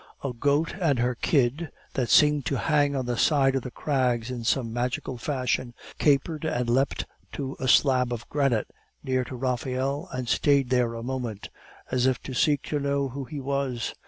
A goat and her kid, that seemed to hang on the side of the crags in some magical fashion, capered and leapt to a slab of granite near to Raphael, and stayed there a moment, as if to seek to know who he was.